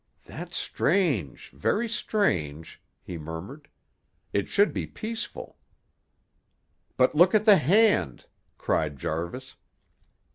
"That's strange; very strange," he murmured. "It should be peaceful." "But look at the hand!" cried Jarvis.